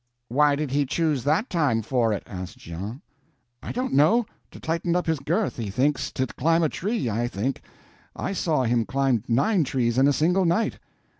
"Why did he choose that time for it?" asked Jean. "I don't know. To tighten up his girth, he thinks, to climb a tree, I think; I saw him climb nine trees in a single night."